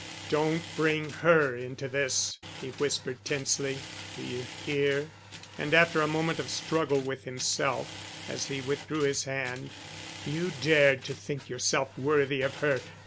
"Don't bring her into this," he whispered tensely. "Do you hear?" And after a moment of struggle with himself as he withdrew his hand, "You dared to think yourself worthy of her.